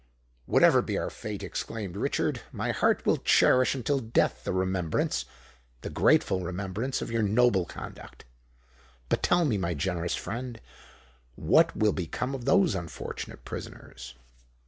"Whatever be our fate," exclaimed Richard, "my heart will cherish until death the remembrance—the grateful remembrance of your noble conduct. But tell me, my generous friend—what will become of those unfortunate prisoners?"